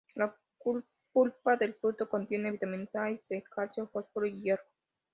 La pulpa del fruto contiene vitaminas A y C, calcio, fósforo y hierro.